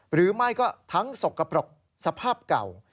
หรือไม่ก็ทั้งสกปรกสภาพเก่า